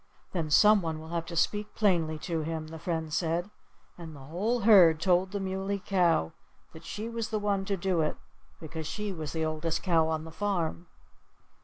"Then someone will have to speak plainly to him," the friend said. And the whole herd told the Muley Cow that she was the one to do it, because she was the oldest cow on the farm.